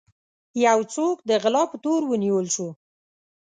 يو څوک د غلا په تور ونيول شو.